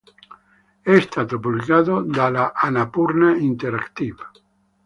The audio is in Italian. È stato pubblicato dalla Annapurna Interactive.